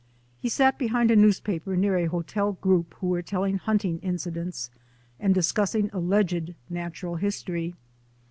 He sat behind a news paper near a hotel group who were telling hunting incidents and discussing alleged natural history.